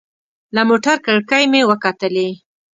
له موټر کړکۍ مې وکتلې.